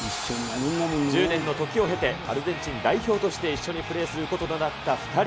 １０年の時を経て、アルゼンチン代表として一緒にプレーすることとなった２人。